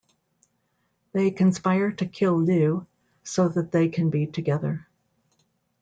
They conspire to kill Lleu so that they can be together.